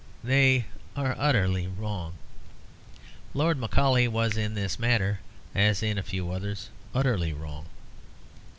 They are utterly wrong. Lord Macaulay was in this matter, as in a few others, utterly wrong.